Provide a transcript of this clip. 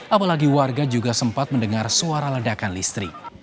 apalagi warga juga sempat mendengar suara ledakan listrik